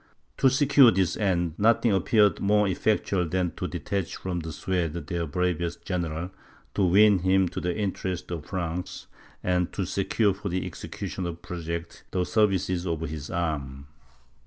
To secure this end, nothing appeared more effectual than to detach from the Swedes their bravest general, to win him to the interests of France, and to secure for the execution of its projects the services of his arm.